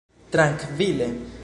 trankvile